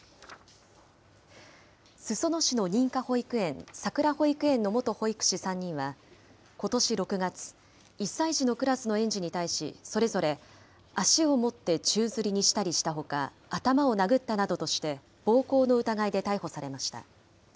裾野市の認可保育園、さくら保育園の元保育士３人は、ことし６月、１歳児のクラスの園児に対し、それぞれ足を持って宙づりにしたりしたほか、頭を殴ったなどとして、暴行の疑いで逮捕されました。